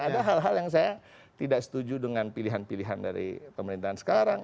ada hal hal yang saya tidak setuju dengan pilihan pilihan dari pemerintahan sekarang